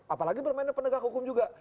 apalagi bermain penegak hukum juga